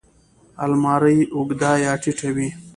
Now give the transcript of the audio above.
الماري اوږده یا ټیټه وي